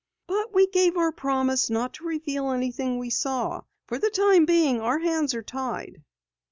"But we gave our promise not to reveal anything we saw. For the time being, our hands are tied."